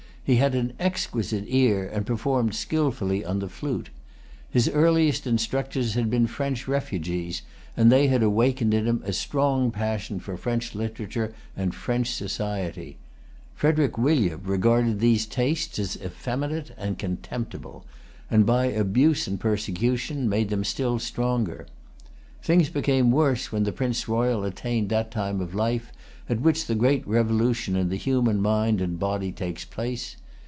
He had an exquisite ear, and performed skilfully on the flute. His earliest instructors had been French refugees, and they had awakened in him a strong passion for French literature and French society. Frederic William regarded these tastes as effeminate and contemptible, and, by abuse and persecution, made them still stronger. Things became worse when the Prince Royal attained that time of life at which the great revolution in the human mind and body takes place.